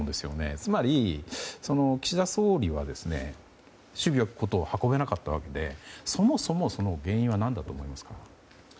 つまり、岸田総理は首尾よく事を運べなかったわけでそもそも、その原因は何だと思いますか。